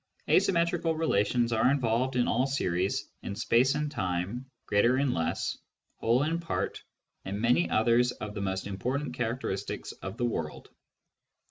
Asymmetrical relations are involved in all series — in' space and time, greater and less, whole and part, and many others of the most important characteristics of the actual world.